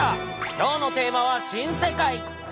きょうのテーマは新世界。